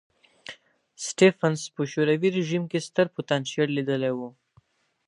سټېفنس په شوروي رژیم کې ستر پوتنشیل لیدلی و.